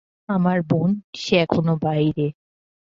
আমার বোন, সে এখনো বাইরে!